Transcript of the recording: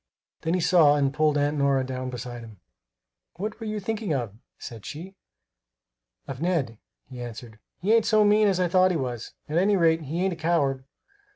Then he saw and pulled Aunt Nora down beside him. "What were you thinking of?" said she. "Of Ned," he answered. "He ain't so mean as I thought he was. At any rate, he ain't a coward."